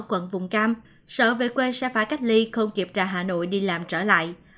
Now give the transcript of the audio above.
quận vùng cam sở về quê sẽ phải cách ly không kịp ra hà nội đi làm trở lại